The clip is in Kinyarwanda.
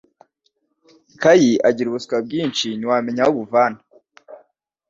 Kayi agira ubusutwa bwinshi ntiwamenya aho abuvana